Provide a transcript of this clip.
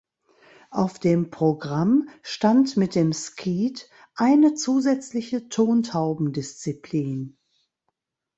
Auf dem Programm stand mit dem Skeet eine zusätzliche Tontauben-Disziplin.